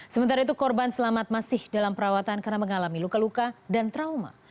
sementara itu korban selamat masih dalam perawatan karena mengalami luka luka dan trauma